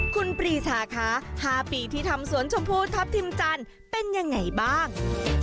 คุณปรีชาคะ๕ปีที่ทำสวนชมพูทัพทิมจันทร์เป็นยังไงบ้าง